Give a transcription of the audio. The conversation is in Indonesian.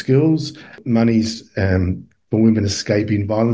duit untuk perempuan yang mengembangkan kejahatan